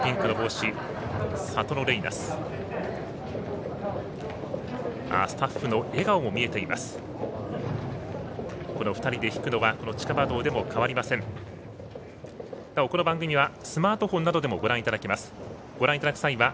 なお、この番組はスマートフォンなどでもご覧いただけます。